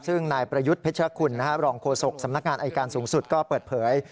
ซึ่งนายประยุทธ์เพชรคุณรองโฆษกสำนักงานอายการสูงสุดก็เปิดเผย